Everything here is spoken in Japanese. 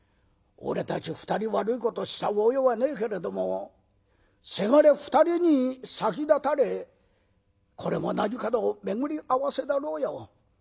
俺たち２人悪いことした覚えはねえけれどもせがれ２人に先立たれこれも何かの巡り合わせだろうよ。